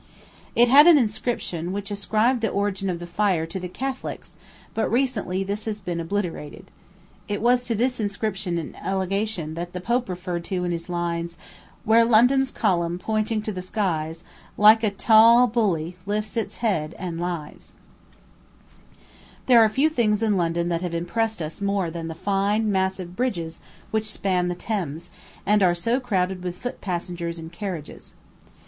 It had an inscription which ascribed the origin of the fire to the Catholics; but recently this has been obliterated. It was to this inscription and allegation that Pope referred in his lines, "Where London's column, pointing to the skies, Like a tall bully, lifts its head, and lies." There are few things in London that have impressed us more than the fine, massive bridges which span the Thames, and are so crowded with foot passengers and carriages.